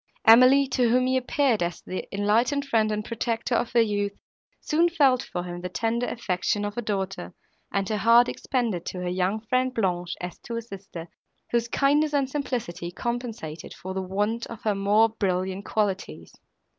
Emily, to whom he appeared as the enlightened friend and protector of her youth, soon felt for him the tender affection of a daughter, and her heart expanded to her young friend Blanche, as to a sister, whose kindness and simplicity compensated for the want of more brilliant qualities.